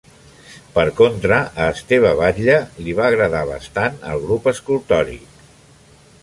Per contra, a Esteve Batlle, li va agradar bastant el grup escultòric.